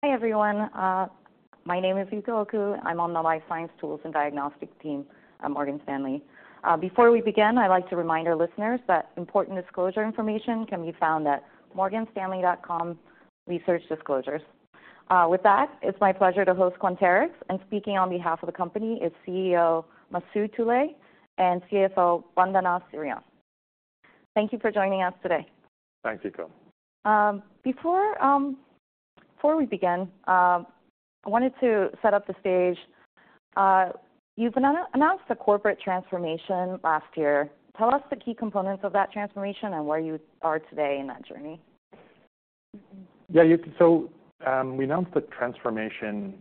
Hey, everyone. My name is Yuko Oku. I'm on the Life Science Tools and Diagnostics team at Morgan Stanley. Before we begin, I'd like to remind our listeners that important disclosure information can be found at morganstanley.com/researchdisclosures. With that, it's my pleasure to host Quanterix, and speaking on behalf of the company is CEO Masoud Toloue and CFO Vandana Sriram. Thank you for joining us today. Thanks, Yuko. Before we begin, I wanted to set up the stage. You've announced a corporate transformation last year. Tell us the key components of that transformation and where you are today in that journey. Yeah, Yuko, so we announced the transformation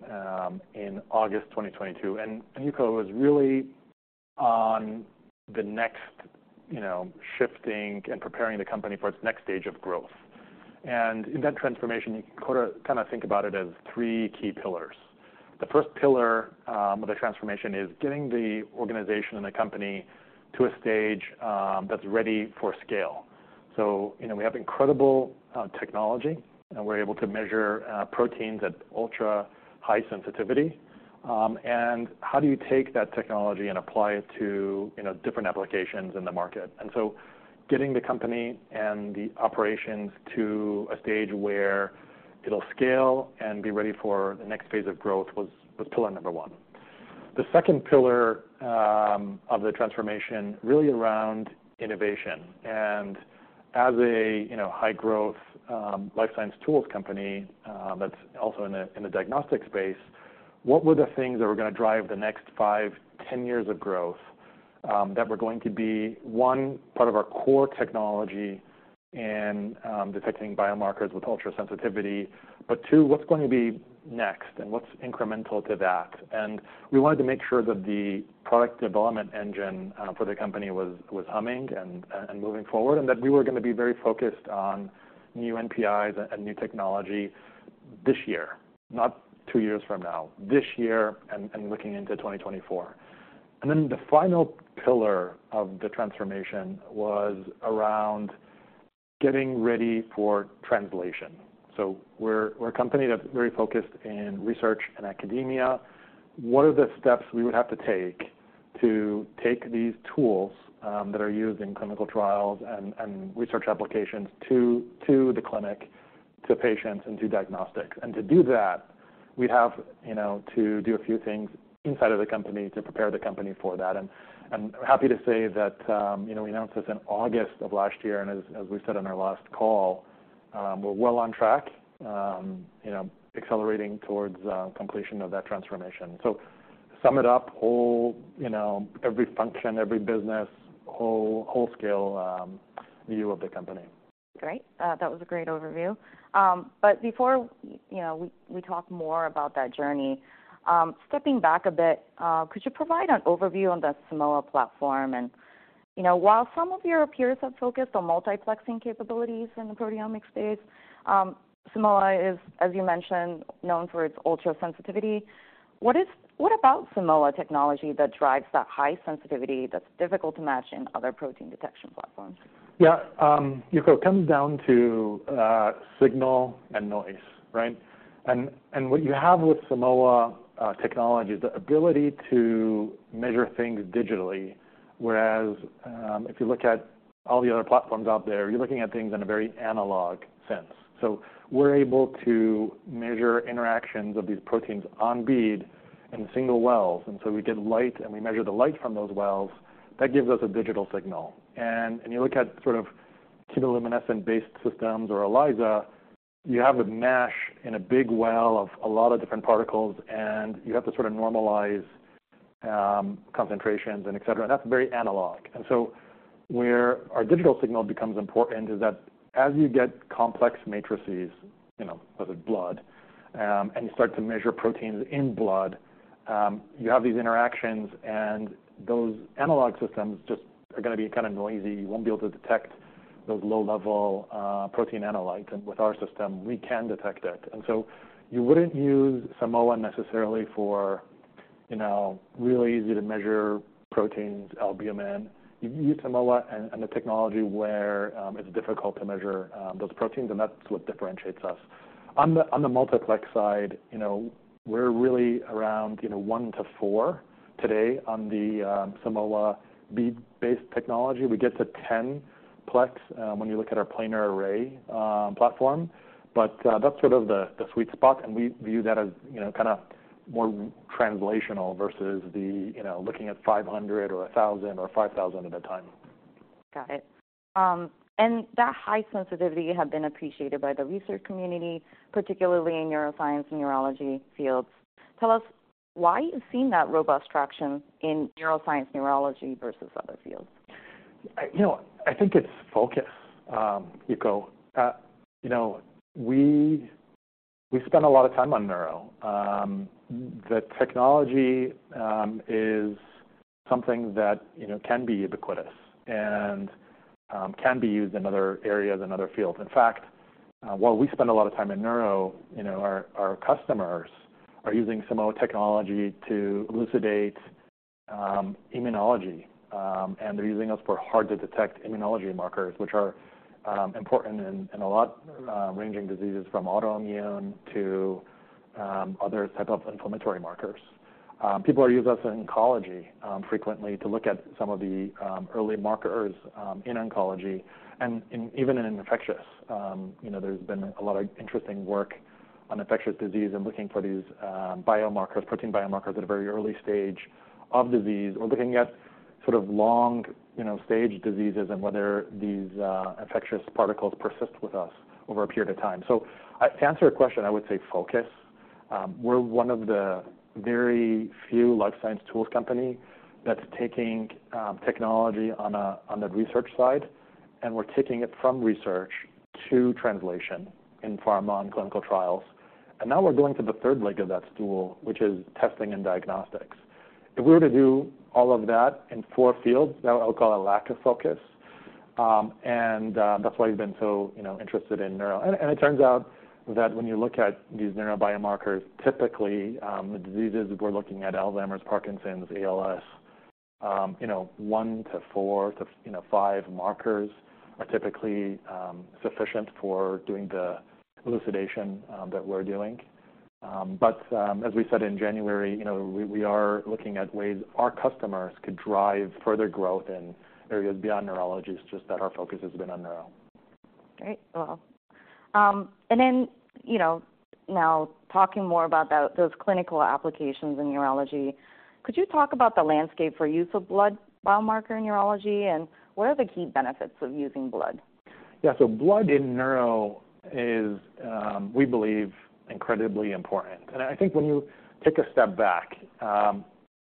in August 2022, and Yuko, it was really on the next, you know, shifting and preparing the company for its next stage of growth. And in that transformation, you kind of think about it as three key pillars. The first pillar of the transformation is getting the organization and the company to a stage that's ready for scale. So, you know, we have incredible technology, and we're able to measure proteins at ultra-high sensitivity. And how do you take that technology and apply it to, you know, different applications in the market? And so getting the company and the operations to a stage where it'll scale and be ready for the next phase of growth was pillar number one. The second pillar of the transformation really around innovation, and as a, you know, high-growth, life science tools company, that's also in a, in a diagnostic space, what were the things that were gonna drive the next 5, 10 years of growth, that were going to be, one, part of our core technology and, detecting biomarkers with ultra sensitivity, but two, what's going to be next? And what's incremental to that? And we wanted to make sure that the product development engine, for the company was humming and moving forward, and that we were gonna be very focused on new NPIs and new technology this year, not two years from now, this year and looking into 2024. And then the final pillar of the transformation was around getting ready for translation. So we're a company that's very focused in research and academia. What are the steps we would have to take to take these tools that are used in clinical trials and research applications to the clinic, to patients, and to diagnostics? And to do that, we'd have, you know, to do a few things inside of the company to prepare the company for that. And I'm happy to say that, you know, we announced this in August of last year, and as we said on our last call, we're well on track, you know, accelerating towards completion of that transformation. So to sum it up, all, you know, every function, every business, whole scale view of the company. Great. That was a great overview. But before, you know, we talk more about that journey, stepping back a bit, could you provide an overview on the Simoa platform? And, you know, while some of your peers have focused on multiplexing capabilities in the proteomics space, Simoa is, as you mentioned, known for its ultra-sensitivity. What about Simoa technology that drives that high sensitivity that's difficult to match in other protein detection platforms? Yeah, Yuko, it comes down to signal and noise, right? And what you have with Simoa technology is the ability to measure things digitally, whereas if you look at all the other platforms out there, you're looking at things in a very analog sense. So we're able to measure interactions of these proteins on bead in single wells, and so we get light, and we measure the light from those wells. That gives us a digital signal. And when you look at sort of chemiluminescent-based systems or ELISA, you have a mash in a big well of a lot of different particles, and you have to sort of normalize concentrations and et cetera, and that's very analog. Where our digital signal becomes important is that as you get complex matrices, you know, such as blood, and you start to measure proteins in blood, you have these interactions, and those analog systems just are gonna be kind of noisy. You won't be able to detect those low-level protein analytes, and with our system, we can detect it. And so you wouldn't use Simoa necessarily for, you know, really easy to measure proteins, albumin. You use Simoa and the technology where it's difficult to measure those proteins, and that's what differentiates us. On the multiplex side, you know, we're really around, you know, 1-4 today on the Simoa bead-based technology. We get to 10-plex when you look at our planar array platform. That's sort of the sweet spot, and we view that as, you know, kind of more translational versus the, you know, looking at 500 or 1,000 or 5,000 at a time. Got it. That high sensitivity have been appreciated by the research community, particularly in neuroscience and neurology fields. Tell us why you've seen that robust traction in neuroscience, neurology versus other fields? You know, I think it's focus, Yuko. You know, we spend a lot of time on neuro. The technology is something that, you know, can be ubiquitous and can be used in other areas and other fields. In fact, while we spend a lot of time in neuro, you know, our customers are using Simoa technology to elucidate immunology. And they're using us for hard-to-detect immunology markers, which are important in a lot, ranging diseases from autoimmune to other type of inflammatory markers. People are using us in oncology frequently to look at some of the early markers in oncology, and in even in infectious. You know, there's been a lot of interesting work on infectious disease and looking for these, biomarkers, protein biomarkers, at a very early stage of disease, or looking at sort of long, you know, stage diseases and whether these, infectious particles persist with us over a period of time. So, to answer your question, I would say focus. We're one of the very few life science tools company that's taking, technology on the research side, and we're taking it from research to translation in pharma and clinical trials. And now we're going to the third leg of that stool, which is testing and diagnostics. If we were to do all of that in four fields, that I would call a lack of focus. And, that's why we've been so, you know, interested in neuro. It turns out that when you look at these neuro biomarkers, typically, the diseases we're looking at, Alzheimer's, Parkinson's, ALS, you know, 1 to 4 to 5 markers are typically sufficient for doing the elucidation that we're doing. But, as we said in January, you know, we are looking at ways our customers could drive further growth in areas beyond neurologists, just that our focus has been on neuro. Great. Well, and then, you know, now talking more about those clinical applications in neurology, could you talk about the landscape for use of blood biomarker in neurology, and what are the key benefits of using blood? Yeah. So blood in neuro is, we believe, incredibly important. And I think when you take a step back,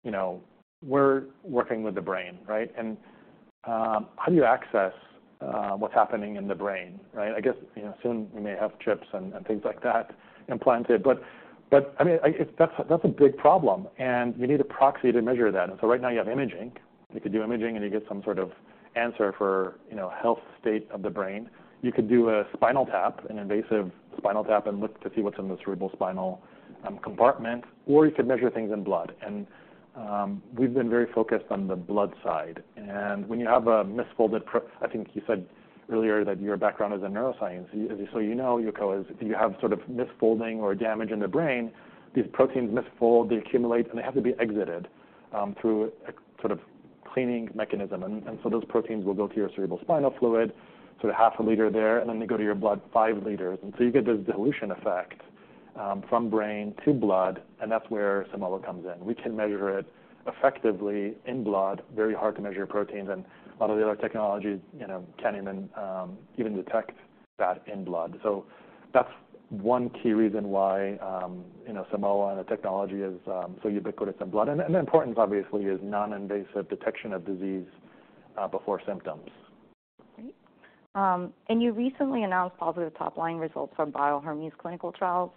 you know, we're working with the brain, right? And, how do you access, what's happening in the brain, right? I guess, you know, soon we may have chips and things like that implanted, but, I mean, that's a big problem, and you need a proxy to measure that. And so right now you have imaging. You could do imaging, and you get some sort of answer for, you know, health state of the brain. You could do a spinal tap, an invasive spinal tap, and look to see what's in the cerebrospinal compartment, or you could measure things in blood. And, we've been very focused on the blood side. When you have a misfolded protein, I think you said earlier that your background is in neuroscience, so you know, Yuko, as you have sort of misfolding or damage in the brain. These proteins misfold, they accumulate, and they have to be exited through a sort of cleaning mechanism. And so those proteins will go to your cerebrospinal fluid, so half a liter there, and then they go to your blood, 5 l. And so you get this dilution effect from brain to blood, and that's where Simoa comes in. We can measure it effectively in blood, very hard to measure proteins, and a lot of the other technologies, you know, can't even detect that in blood. So that's one key reason why, you know, Simoa and the technology is so ubiquitous in blood. Important, obviously, is non-invasive detection of disease before symptoms. Great. And you recently announced positive top-line results from Bio-Hermes clinical trials,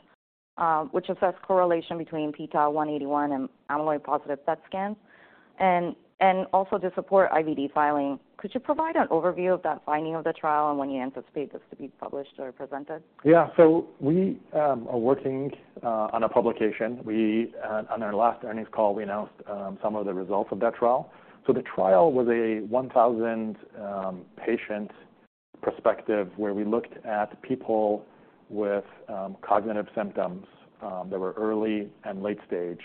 which assess correlation between p-tau181 and amyloid-positive PET scans. And, and also to support IVD filing, could you provide an overview of that finding of the trial and when you anticipate this to be published or presented? Yeah. So we are working on a publication. We on our last earnings call, we announced some of the results of that trial. So the trial was a 1,000 patient prospective, where we looked at people with cognitive symptoms that were early and late stage.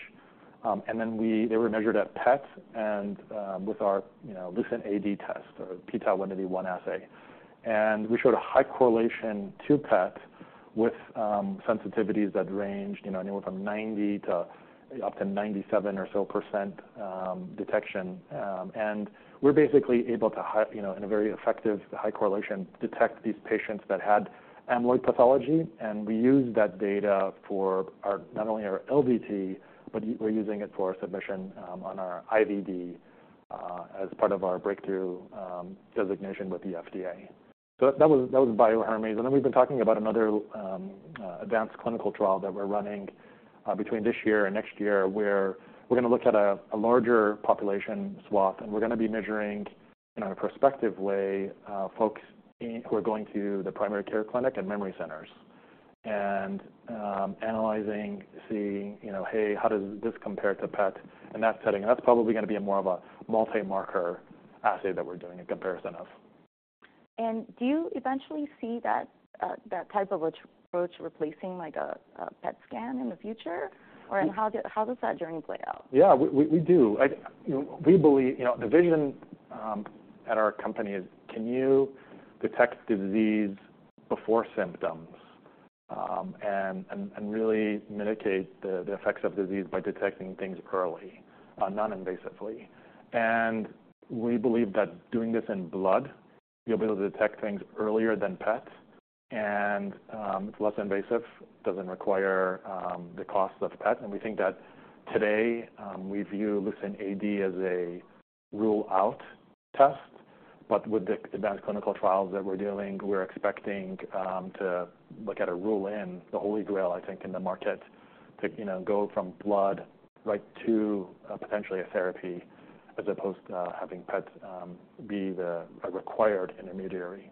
And then they were measured at PET and with our, you know, LucentAD test or p-tau181 assay. And we showed a high correlation to PET with sensitivities that ranged, you know, anywhere from 90% to up to 97% or so detection. And we're basically able to have, you know, in a very effective high correlation, detect these patients that had amyloid pathology. We use that data for our, not only our LDT, but we're using it for submission on our IVD as part of our breakthrough designation with the FDA. So that was Bio-Hermes. Then we've been talking about another advanced clinical trial that we're running between this year and next year, where we're gonna look at a larger population sample, and we're gonna be measuring, in a prospective way, folks who are going to the primary care clinic and memory centers. Analyzing, seeing, you know, hey, how does this compare to PET in that setting? That's probably gonna be more of a multi-marker assay that we're doing a comparison of. Do you eventually see that that type of approach replacing, like a PET scan in the future? Or how does that journey play out? Yeah, we do. You know, we believe, you know, the vision at our company is can you detect disease before symptoms, and really mitigate the effects of disease by detecting things early, non-invasively? And we believe that doing this in blood, you'll be able to detect things earlier than PET, and, it's less invasive, doesn't require the cost of PET. And we think that today, we view LucentAD as a rule-out test, but with the advanced clinical trials that we're doing, we're expecting to look at a rule-in, the holy grail, I think, in the market, to, you know, go from blood right to potentially a therapy, as opposed to having PET be the a required intermediary. ...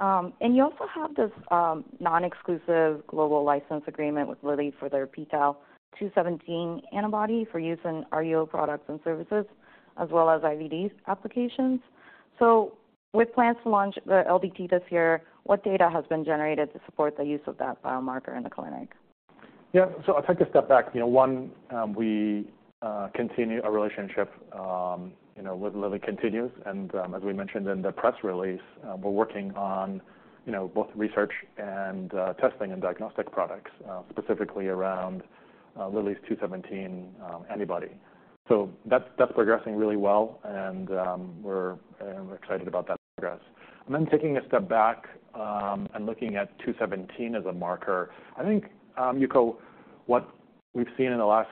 and you also have this, non-exclusive global license agreement with Lilly for their p-tau217 antibody for use in RUO products and services, as well as IVD applications. So with plans to launch the LDT this year, what data has been generated to support the use of that biomarker in the clinic? Yeah. So I'll take a step back. You know, one, we continue our relationship, you know, with Lilly continues. And, as we mentioned in the press release, we're working on, you know, both research and, testing and diagnostic products, specifically around, Lilly's 217 antibody. So that's, that's progressing really well, and, we're excited about that progress. And then taking a step back, and looking at 217 as a marker, I think, Yuko, what we've seen in the last,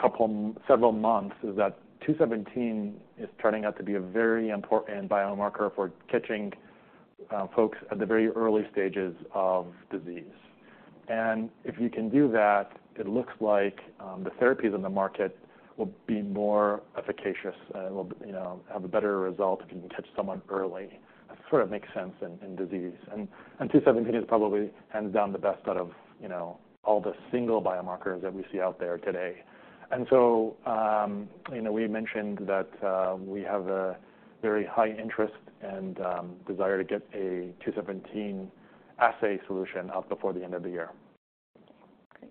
couple, several months is that 217 is turning out to be a very important biomarker for catching, folks at the very early stages of disease. And if you can do that, it looks like the therapies on the market will be more efficacious and will, you know, have a better result if you can catch someone early. That sort of makes sense in disease. And two seventeen is probably hands down the best out of, you know, all the single biomarkers that we see out there today. And so, you know, we mentioned that we have a very high interest and desire to get a two seventeen assay solution out before the end of the year. Okay.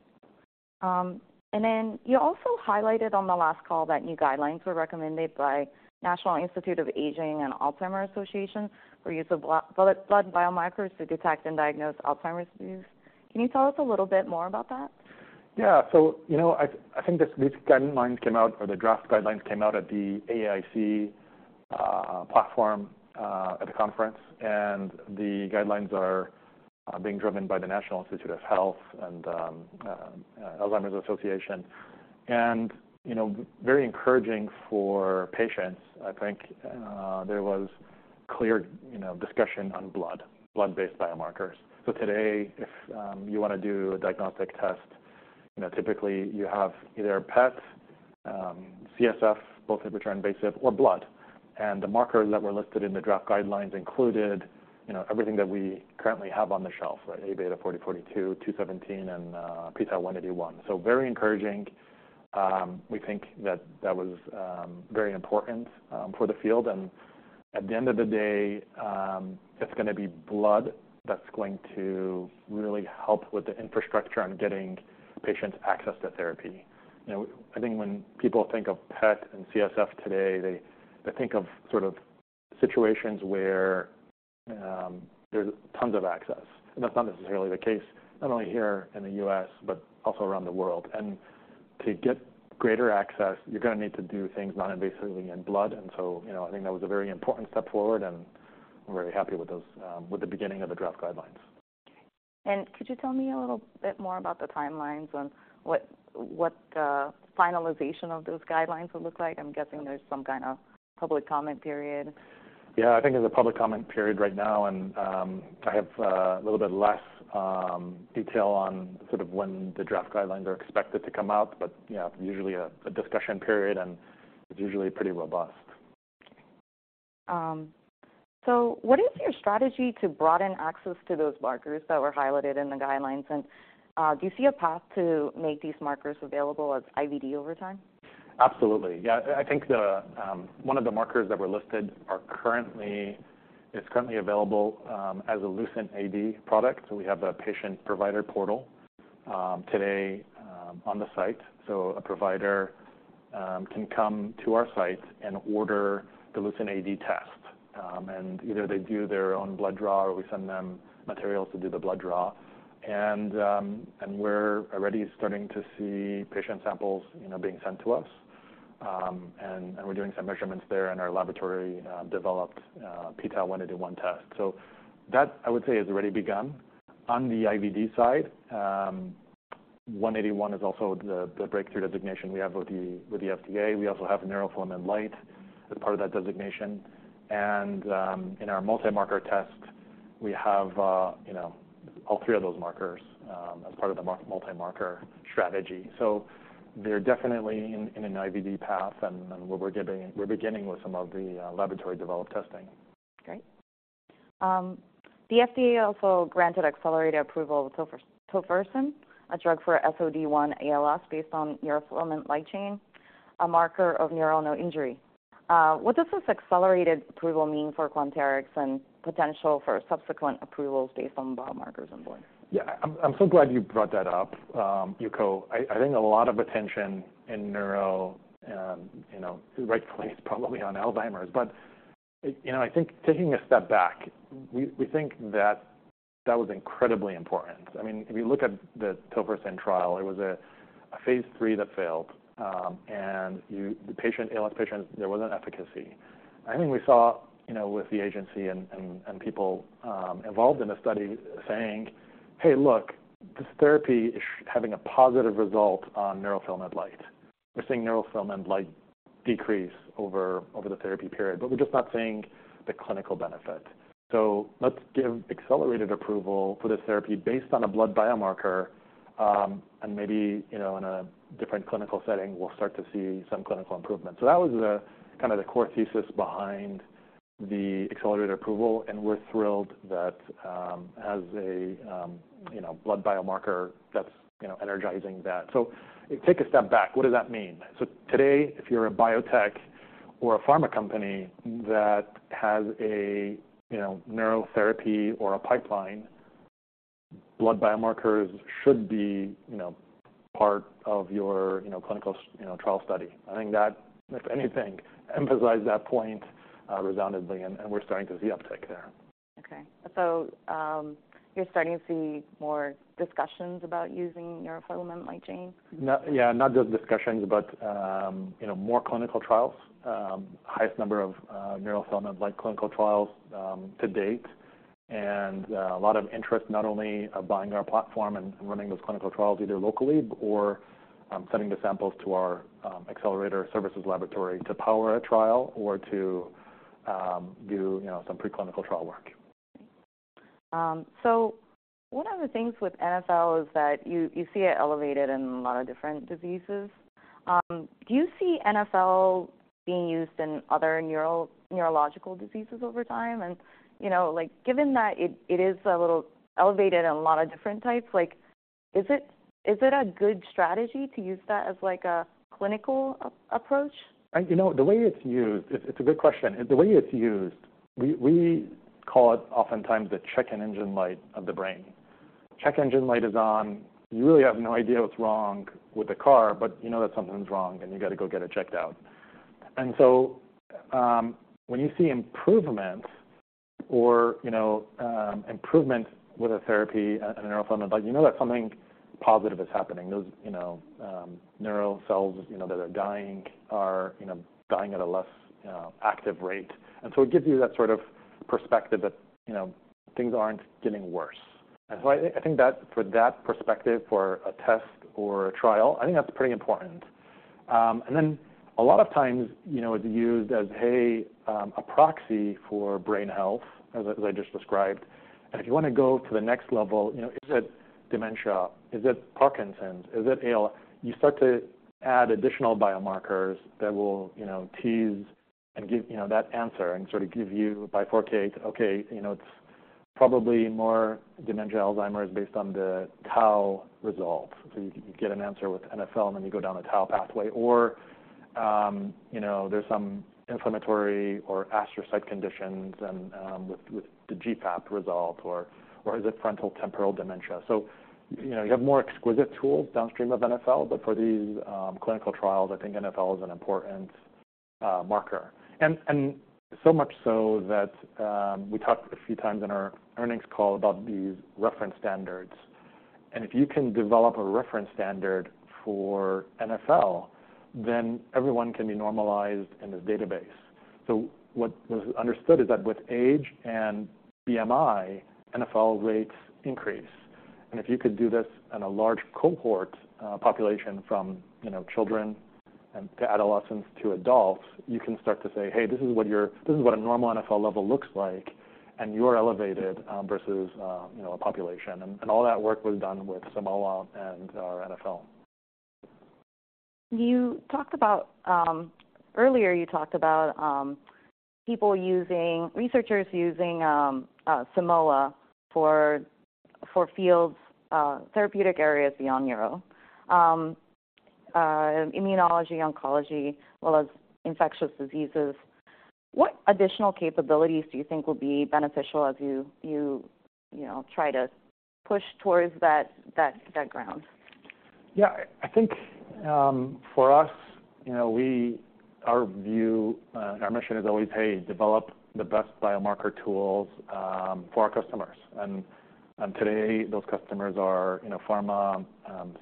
And then you also highlighted on the last call that new guidelines were recommended by National Institute on Aging and Alzheimer's Association for use of blood biomarkers to detect and diagnose Alzheimer's disease. Can you tell us a little bit more about that? Yeah. So, you know, I, I think this, these guidelines came out, or the draft guidelines came out at the AAIC platform at the conference, and the guidelines are, are being driven by the National Institute on Aging and Alzheimer's Association. And, you know, very encouraging for patients, I think, there was clear, you know, discussion on blood, blood-based biomarkers. So today, if you wanna do a diagnostic test, you know, typically you have either PET, CSF, both of which are invasive, or blood. And the markers that were listed in the draft guidelines included, you know, everything that we currently have on the shelf, right? Aβ40/42, p-tau217, and p-tau181. So very encouraging. We think that that was very important for the field. At the end of the day, it's gonna be blood that's going to really help with the infrastructure on getting patients access to therapy. You know, I think when people think of PET and CSF today, they, they think of sort of situations where there's tons of access. And that's not necessarily the case, not only here in the U.S., but also around the world. To get greater access, you're gonna need to do things non-invasively in blood. And so, you know, I think that was a very important step forward, and I'm very happy with those, with the beginning of the draft guidelines. Could you tell me a little bit more about the timelines and what finalization of those guidelines would look like? I'm guessing there's some kind of public comment period. Yeah, I think there's a public comment period right now, and I have a little bit less detail on sort of when the draft guidelines are expected to come out. But, yeah, usually a discussion period, and it's usually pretty robust. What is your strategy to broaden access to those markers that were highlighted in the guidelines? And do you see a path to make these markers available as IVD over time? Absolutely. Yeah, I think the one of the markers that were listed are currently is currently available as a LucentAD product. So we have a patient-provider portal today on the site. So a provider can come to our site and order the LucentAD test. And either they do their own blood draw, or we send them materials to do the blood draw. And we're already starting to see patient samples, you know, being sent to us. And we're doing some measurements there in our laboratory developed p-tau181 test. So that, I would say, has already begun. On the IVD side, 181 is also the breakthrough designation we have with the FDA. We also have neurofilament light as part of that designation. in our multi-marker test, we have, you know, all three of those markers, as part of the multi-marker strategy. So they're definitely in an IVD path, and we're beginning with some of the laboratory-developed testing. Great. The FDA also granted accelerated approval to tofersen, a drug for SOD1 ALS, based on neurofilament light chain, a marker of neuronal injury. What does this accelerated approval mean for Quanterix and potential for subsequent approvals based on biomarkers on board? Yeah, I'm so glad you brought that up, Yuko. I think a lot of attention in neuro, you know, rightfully, is probably on Alzheimer's. But, you know, I think taking a step back, we think that that was incredibly important. I mean, if you look at the tofersen trial, it was a Phase 3 that failed, and yet the patient, ALS patients, there was an efficacy. I think we saw, you know, with the agency and people involved in the study saying, "Hey, look, this therapy is having a positive result on neurofilament light. We're seeing neurofilament light decrease over the therapy period, but we're just not seeing the clinical benefit. So let's give accelerated approval for this therapy based on a blood biomarker-"... and maybe, you know, in a different clinical setting, we'll start to see some clinical improvement. So that was the kind of core thesis behind the accelerated approval, and we're thrilled that, as a, you know, blood biomarker that's, you know, energizing that. So take a step back. What does that mean? So today, if you're a biotech or a pharma company that has a, you know, neurotherapy or a pipeline, blood biomarkers should be, you know, part of your, you know, clinical, you know, trial study. I think that, if anything, emphasized that point, resoundingly, and we're starting to see uptick there. Okay. So, you're starting to see more discussions about using neurofilament light chains? Yeah, not just discussions, but you know, more clinical trials, highest number of neurofilament light clinical trials to date. And a lot of interest, not only of buying our platform and running those clinical trials, either locally or sending the samples to our Accelerator Services Laboratory to power a trial or to do you know some preclinical trial work. So one of the things with NfL is that you see it elevated in a lot of different diseases. Do you see NfL being used in other neurological diseases over time? And, you know, like, given that it is a little elevated in a lot of different types, like, is it a good strategy to use that as, like, a clinical approach? You know, the way it's used. It's a good question. The way it's used, we call it oftentimes the check engine light of the brain. Check engine light is on, you really have no idea what's wrong with the car, but you know that something's wrong, and you gotta go get it checked out. And so, when you see improvement or, you know, improvement with a therapy and a neurofilament, like, you know that something positive is happening. Those, you know, neural cells, you know, that are dying are dying at a less, you know, active rate. And so it gives you that sort of perspective that, you know, things aren't getting worse. And so I think that, for that perspective, for a test or a trial, I think that's pretty important. And then a lot of times, you know, it's used as, hey, a proxy for brain health, as I just described. And if you wanna go to the next level, you know, is it dementia? Is it Parkinson's? Is it ALS? You start to add additional biomarkers that will, you know, tease and give, you know, that answer and sort of give you, by bifurcate, okay, you know, it's probably more dementia, Alzheimer's based on the tau results. So you get an answer with NfL, and then you go down the tau pathway. Or, you know, there's some inflammatory or astrocyte conditions and, with the GFAP result, or is it frontotemporal dementia? So, you know, you have more exquisite tools downstream of NfL, but for these clinical trials, I think NfL is an important marker. And so much so that we talked a few times in our earnings call about these reference standards. And if you can develop a reference standard for NfL, then everyone can be normalized in this database. So what was understood is that with age and BMI, NfL rates increase. And if you could do this in a large cohort population from you know children to adolescents to adults, you can start to say, "Hey, this is what your- this is what a normal NfL level looks like, and you're elevated versus you know a population." And all that work was done with Simoa and our NfL. You talked about... Earlier, you talked about people using, researchers using Simoa for fields, therapeutic areas beyond neuro, immunology, oncology, as well as infectious diseases. What additional capabilities do you think will be beneficial as you know try to push towards that ground? Yeah. I think, for us, you know, our view, and our mission is always, hey, develop the best biomarker tools, for our customers. And today, those customers are, you know, pharma,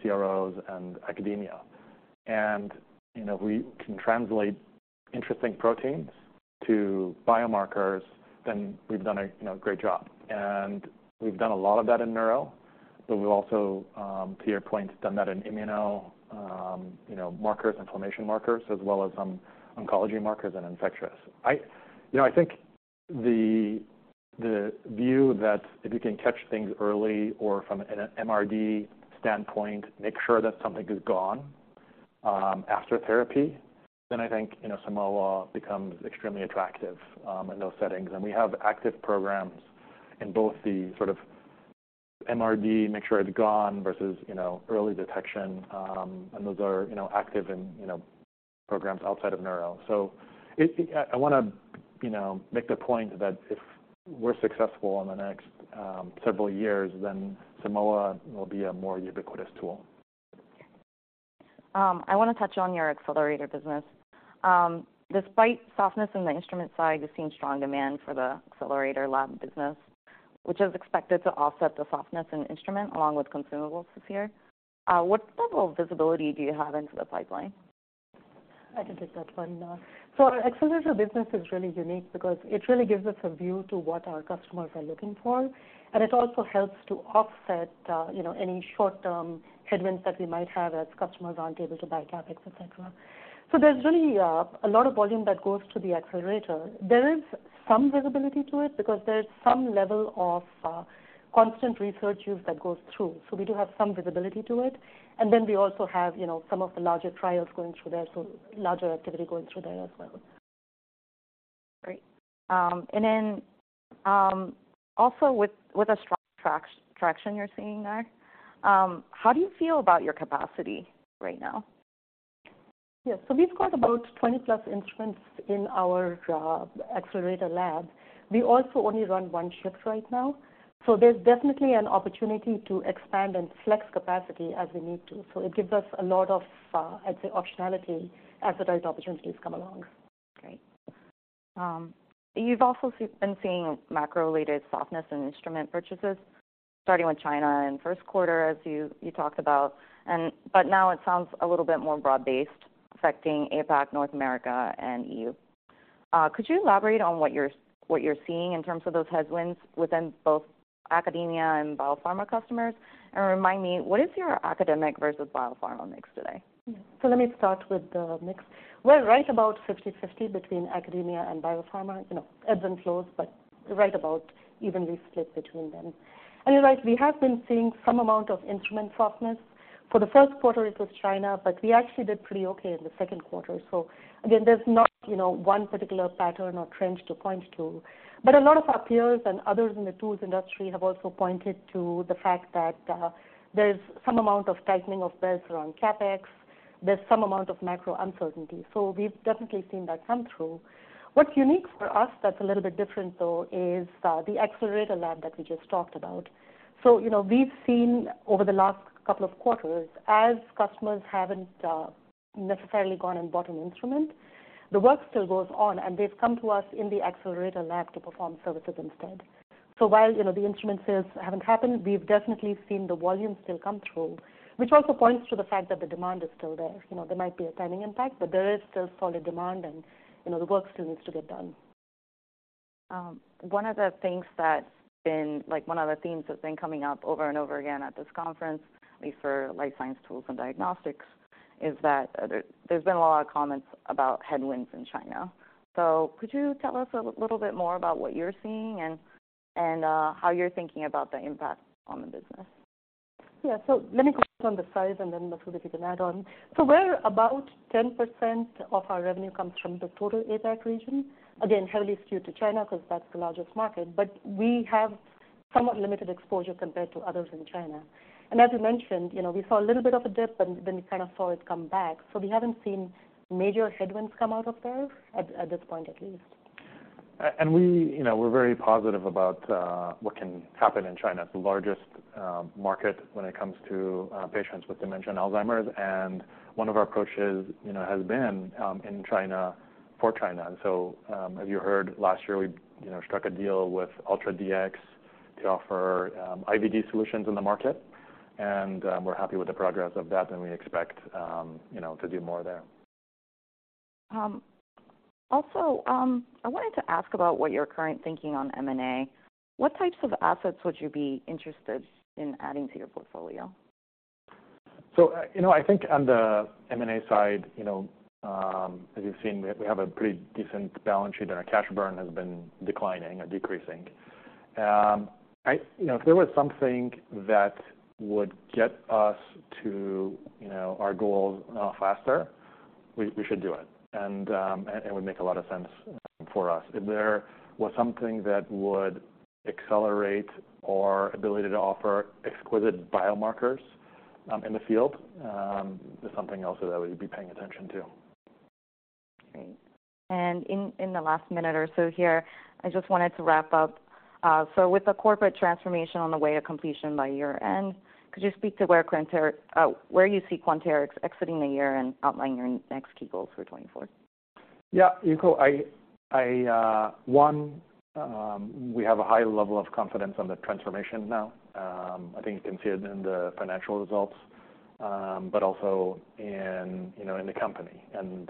CROs and academia. And, you know, we can translate interesting proteins to biomarkers, then we've done a, you know, great job. And we've done a lot of that in neuro, but we've also, to your point, done that in immuno, you know, markers, inflammation markers, as well as some oncology markers and infectious. I think the view that if you can catch things early or from an MRD standpoint, make sure that something is gone, after therapy, then I think, you know, Simoa becomes extremely attractive, in those settings. And we have active programs in both the sort of MRD, make sure it's gone, versus, you know, early detection. Those are, you know, active in, you know, programs outside of neuro. So I wanna, you know, make the point that if we're successful in the next several years, then Simoa will be a more ubiquitous tool. I wanna touch on your Accelerator business. Despite softness in the instrument side, you've seen strong demand for the Accelerator lab business, which is expected to offset the softness in instrument, along with consumables this year. What level of visibility do you have into the pipeline? I can take that one. So our Accelerator business is really unique because it really gives us a view to what our customers are looking for, and it also helps to offset, you know, any short-term headwinds that we might have as customers aren't able to buy CapEx, et cetera. So there's really a lot of volume that goes to the Accelerator. There is some visibility to it because there's some level of constant research use that goes through, so we do have some visibility to it, and then we also have, you know, some of the larger trials going through there, so larger activity going through there as well. Great. And then, also with the strong traction you're seeing there, how do you feel about your capacity right now? Yes. So we've got about 20+ instruments in our Accelerator lab. We also only run one shift right now, so there's definitely an opportunity to expand and flex capacity as we need to. So it gives us a lot of, I'd say, optionality as the right opportunities come along. Great. You've also been seeing macro-related softness in instrument purchases, starting with China in first quarter, as you talked about. But now it sounds a little bit more broad-based, affecting APAC, North America and EU. Could you elaborate on what you're seeing in terms of those headwinds within both academia and biopharma customers? And remind me, what is your academic versus biopharma mix today? So let me start with the mix. We're right about 50/50 between academia and biopharma. You know, ebbs and flows, but right about evenly split between them. And you're right, we have been seeing some amount of instrument softness. For the first quarter, it was China, but we actually did pretty okay in the second quarter. So again, there's not, you know, one particular pattern or trend to point to. But a lot of our peers and others in the tools industry have also pointed to the fact that, there's some amount of tightening of belts around CapEx. There's some amount of macro uncertainty, so we've definitely seen that come through. What's unique for us that's a little bit different, though, is, the Accelerator Lab that we just talked about. So, you know, we've seen over the last couple of quarters, as customers haven't necessarily gone and bought an instrument, the work still goes on, and they've come to us in the Accelerator Lab to perform services instead. So while, you know, the instrument sales haven't happened, we've definitely seen the volume still come through, which also points to the fact that the demand is still there. You know, there might be a timing impact, but there is still solid demand, and, you know, the work still needs to get done. One of the things that's been like, one of the themes that's been coming up over and over again at this conference, at least for life science tools and diagnostics, is that, there's been a lot of comments about headwinds in China. So could you tell us a little bit more about what you're seeing and, how you're thinking about the impact on the business? Yeah. So let me comment on the size, and then, Masoud, if you can add on. So we're about 10% of our revenue comes from the total APAC region. Again, heavily skewed to China because that's the largest market, but we have somewhat limited exposure compared to others in China. And as you mentioned, you know, we saw a little bit of a dip and then kind of saw it come back, so we haven't seen major headwinds come out of there, at this point at least. And we, you know, we're very positive about what can happen in China. It's the largest market when it comes to patients with dementia and Alzheimer's, and one of our approaches, you know, has been in China for China. And so, as you heard, last year, we, you know, struck a deal with UltraDx to offer IVD solutions in the market, and we're happy with the progress of that, and we expect, you know, to do more there. Also, I wanted to ask about what your current thinking on M&A? What types of assets would you be interested in adding to your portfolio? So, you know, I think on the M&A side, you know, as you've seen, we have a pretty decent balance sheet, and our cash burn has been declining or decreasing. You know, if there was something that would get us to, you know, our goals, faster, we should do it, and it would make a lot of sense for us. If there was something that would accelerate our ability to offer exquisite biomarkers, in the field, that's something else that I would be paying attention to. Great. And in the last minute or so here, I just wanted to wrap up. So with the corporate transformation on the way of completion by year-end, could you speak to where you see Quanterix exiting the year and outline your next key goals for 2024? Yeah, Yuko, we have a high level of confidence on the transformation now. I think you can see it in the financial results, but also in, you know, in the company and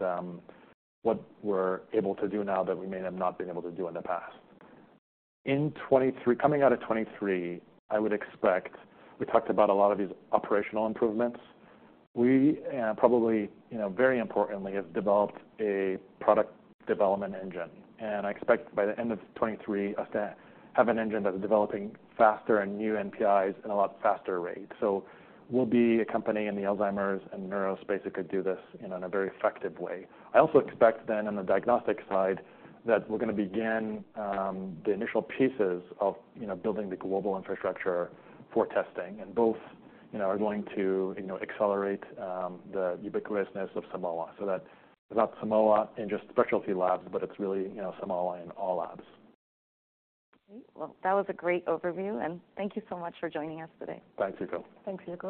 what we're able to do now that we may have not been able to do in the past. In 2023—Coming out of 2023, I would expect... We talked about a lot of these operational improvements. We probably, you know, very importantly, have developed a product development engine, and I expect by the end of 2023, us to have an engine that is developing faster and new NPIs at a lot faster rate. So we'll be a company in the Alzheimer's and neuro space that could do this, you know, in a very effective way. I also expect then, on the diagnostic side, that we're going to begin the initial pieces of, you know, building the global infrastructure for testing, and both, you know, are going to, you know, accelerate the ubiquitousness of Simoa. So that it's not Simoa in just specialty labs, but it's really, you know, Simoa in all labs. Great. Well, that was a great overview, and thank you so much for joining us today. Thanks, Yuko. Thanks, Yuko.